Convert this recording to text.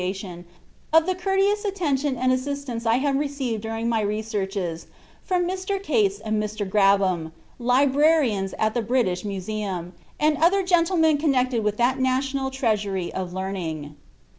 ition of the courteous attention and assistance I have received during roy re searches, from Mr. Calea and Mr. Grabham, librarians al the British Museum, and ottier gentlemen connected with that national treasury of learning.